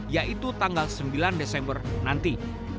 yaitu tanggal sembilan desember nanti